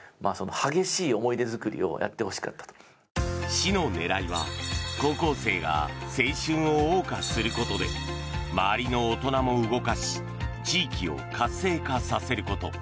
市の狙いは高校生が青春をおう歌することで周りの大人も動かし地域を活性化させること。